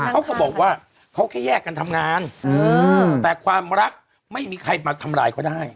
เขาก็บอกว่าเขาแค่แยกกันทำงานแต่ความรักไม่มีใครมาทำร้ายเขาได้